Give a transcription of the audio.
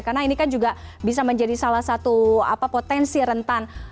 karena ini kan juga bisa menjadi salah satu potensi rentan